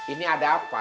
ini ada apa